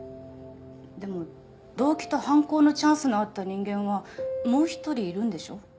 でも動機と犯行のチャンスのあった人間はもう一人いるんでしょ？